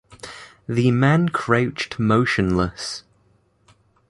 The man crouched motionless.